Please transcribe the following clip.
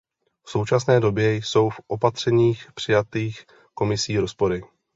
V současné době jsou v opatřeních přijatých Komisí rozpory.